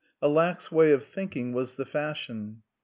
A lax way of thinking was the fashion.